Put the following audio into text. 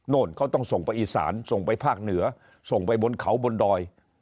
เขาต้องส่งไปอีสานส่งไปภาคเหนือส่งไปบนเขาบนดอย